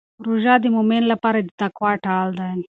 روژه د مؤمن لپاره د تقوا ډال دی.